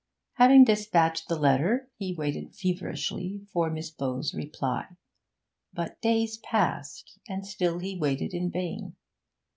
Having despatched the letter, he waited feverishly for Miss Bowes' reply; but days passed, and still he waited in vain.